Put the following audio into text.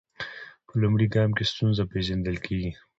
په لومړي ګام کې ستونزه پیژندل کیږي.